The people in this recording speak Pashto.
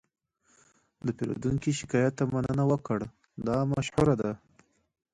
د پیرودونکي شکایت ته مننه وکړه، دا مشوره ده.